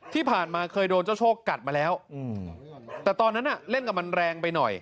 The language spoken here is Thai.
ที่ผ่านมาเคยโดนเจ้าโชคกัดมาแล้วแต่ตอนนั้นเล่นกับมันแรงไปหน่อย